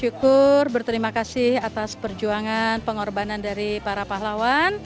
syukur berterima kasih atas perjuangan pengorbanan dari para pahlawan